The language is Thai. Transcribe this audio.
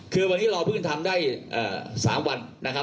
คือวันนี้เราพึ่งทำได้๓วัน